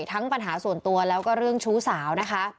ทั้งปัญหาส่วนตัวแล้วก็เรื่องชู้สาวนะคะ